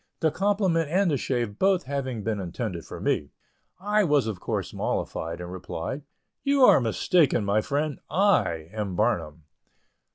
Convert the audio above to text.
The compliment and the shave both having been intended for me, I was of course mollified, and replied, "You are mistaken, my friend, I am Barnum."